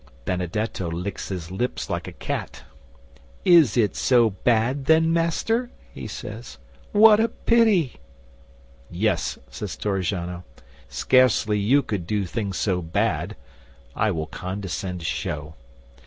'Benedetto licks his lips like a cat. "It is so bad then, Master?" he says. "What a pity!" '"Yes," says Torrigiano. "Scarcely you could do things so bad. I will condescend to show."